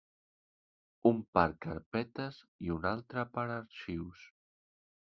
Un per carpetes i un altre per arxius.